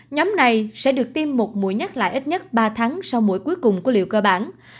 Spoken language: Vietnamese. nhóm này sẽ được tiêm một mũi nhắc lại ít nhất ba tháng sau mũi cuối cùng của liệu cơ bản